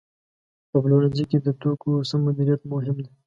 په پلورنځي کې د توکو سمه مدیریت مهم دی.